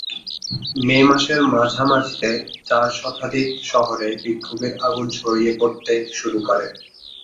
মে মাসের মাঝামাঝিতে চার শতাধিক শহরের বিক্ষোভের আগুন ছড়িয়ে পড়তে শুরু করে।